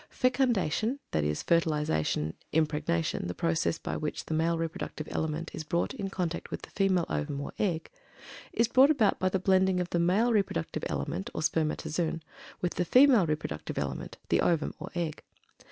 Fecundation (i. e. fertilization, impregnation; the process by which the male reproductive element is brought in contact with the female ovum or egg) is brought about by the blending of the male reproductive element (or spermatozoon) with the female reproductive element (or ovum, or egg).